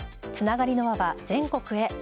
つながりの輪は全国へ。